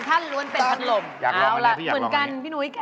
ถูกที่สุดกันนะ